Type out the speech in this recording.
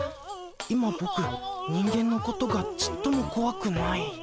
今ボク人間のことがちっともこわくない？